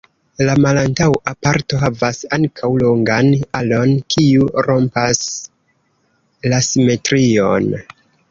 La malantaŭa parto havas ankaŭ longan alon, kiu rompas la simetrion.